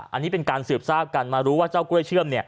อันนี้เป็นการสืบทราบกันมารู้ว่าเจ้ากล้วยเชื่อม